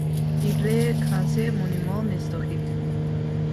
Il est classé Monument historique.